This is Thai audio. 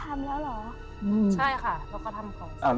ใช่ค่ะแล้วก็ทำของสิ